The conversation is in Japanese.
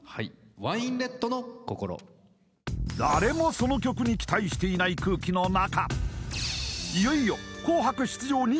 誰もその曲に期待していない空気の中